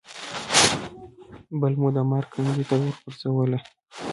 بله مو د مرګ کندې ته وغورځوله.